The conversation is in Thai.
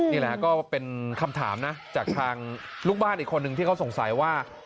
นี่แหละก็เป็นคำถามนะจากทางลูกบ้านอีกคนนึงที่เขาสงสัยว่า